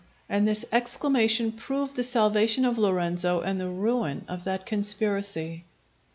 _" and this exclamation proved the salvation of Lorenzo and the ruin of that conspiracy.